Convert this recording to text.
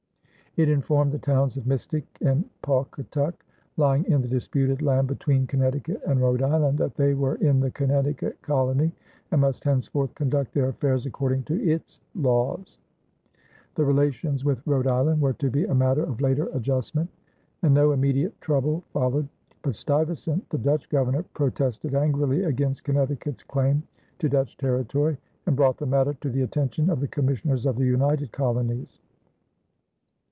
It informed the towns of Mystic and Pawcatuck, lying in the disputed land between Connecticut and Rhode Island, that they were in the Connecticut colony and must henceforth conduct their affairs according to its laws. The relations with Rhode Island were to be a matter of later adjustment, and no immediate trouble followed; but Stuyvesant, the Dutch Governor, protested angrily against Connecticut's claim to Dutch territory and brought the matter to the attention of the commissioners of the United Colonies.